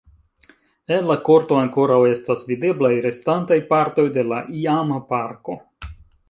En la korto ankoraŭ estas videblaj restantaj partoj de la iama parko.